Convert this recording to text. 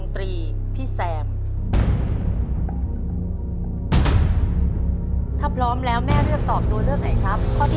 ถ้าพร้อมแล้วแม่เลือกตอบตัวเลือกไหนครับข้อที่๓